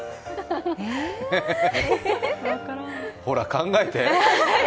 ほら、考えて。